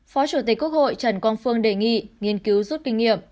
phó chủ tịch quốc hội trần quang phương đề nghị nghiên cứu rút kinh nghiệm